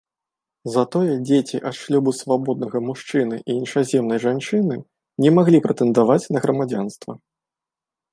Затое дзеці ад шлюбу свабоднага мужчыны і іншаземнай жанчыны не маглі прэтэндаваць на грамадзянства.